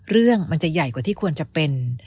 เรื่องมันจะใหญ่กว่าที่ควรจะเป็น